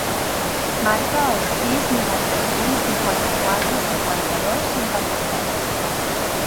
Marca el sis, noranta-cinc, cinquanta-quatre, cinquanta-dos, cinquanta-set.